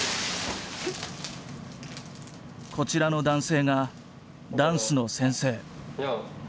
こちらの男性がダンスの先生。